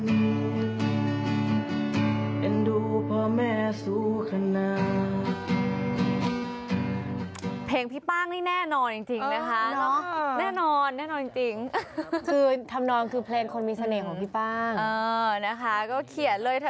เห็นดูพ่อแม่สุขนาด